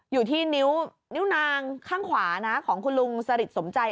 อยู่ที่นิ้วนางข้างขวาของคุณลุงสฤตสมไตร